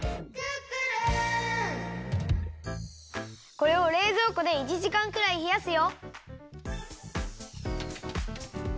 これをれいぞうこで１じかんくらいひやすよ。